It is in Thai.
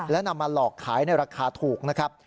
และนำมาหลอกขายในราคาถูกนะครับ